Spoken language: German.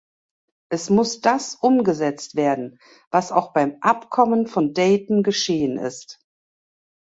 Es muss das umgesetzt werden, was auch beim Abkommen von Dayton geschehen ist.